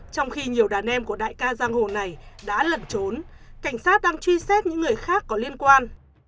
trong khi nhiều đàn em của đại ca giang hồ này đã lẩn trốn cảnh sát đang truy xét những người khác có liên quan